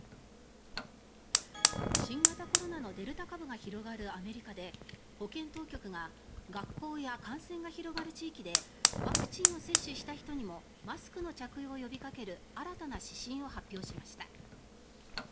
新型コロナのデルタ株が広がるアメリカで保健当局が学校や感染が広がる地域でワクチンを接種した人にもマスクの着用を呼びかける新たな指針を発表しました。